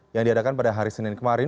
yang diadakan pada hari senin kemarin